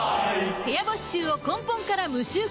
部屋干し臭を根本から無臭化